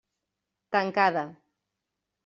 Tancada.